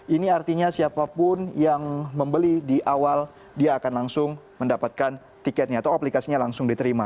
ini artinya siapapun yang membeli di awal dia akan langsung mendapatkan tiketnya atau aplikasinya langsung diterima